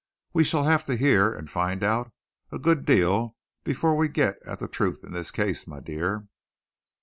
We shall have to hear and find out a good deal before we get at the truth in this case, my dear."